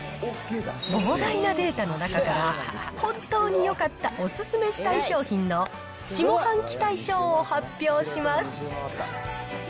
膨大なデータの中から本当によかったお勧めしたい商品の下半期大賞を発表します。